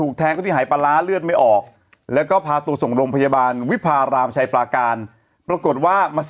กับภาพเก่งสองพี่นูม